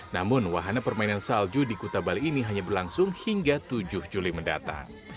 namun wahana permainan salju di kuta bali ini hanya berlangsung hingga tujuh juli mendatang